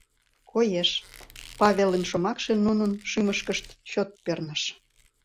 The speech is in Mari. Коеш, Павелын шомакше нунын шӱмышкышт чот перныш.